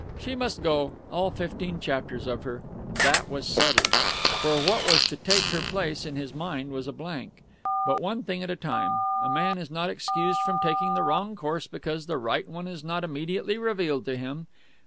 She must go, all fifteen chapters of her. That was settled. For what was to take her place his mind was a blank; but one thing at a time; a man is not excused from taking the wrong course because the right one is not immediately revealed to him.